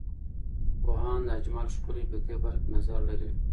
پوهاند اجمل ښکلی په دې برخه کې نظر لري.